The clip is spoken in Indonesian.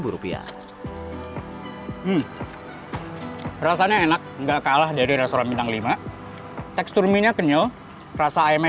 lima belas rupiah rasanya enak enggak kalah dari restoran bintang lima teksturnya kenyal rasa ayamnya